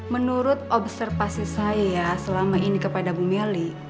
menurut observasi saya selama ini kepada bu meli